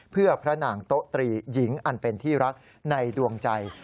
เพื่อพระนางโต๊ะตรีหญิงอันเป็นที่รักในดวงใจ